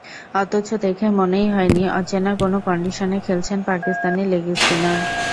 অথচ দেখে মনেই হয়নি, অচেনা কোনো কন্ডিশনে খেলছেন পাকিস্তানি লেগ স্পিনার।